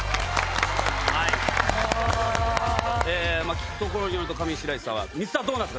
聞くところによると上白石さんは。